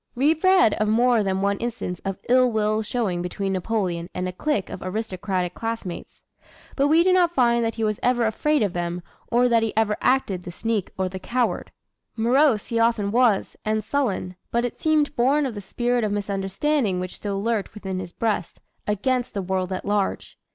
We read of more than one instance of ill will showing between Napoleon and a clique of aristocratic classmates. But we do not find that he was ever afraid of them or that he ever acted the sneak or the coward. Morose he often was, and sullen, but it seemed born of the spirit of misunderstanding which still lurked within his breast, against the world at large.